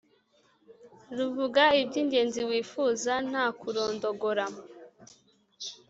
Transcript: ruvuga iby’ingenzi wifuza nta kurondogora.